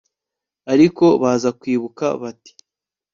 ariko baza kwibuka bati